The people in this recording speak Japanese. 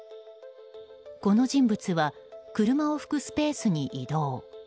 この人物は車を拭くスペースに移動。